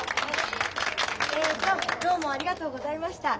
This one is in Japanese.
えっとどうもありがとうございました。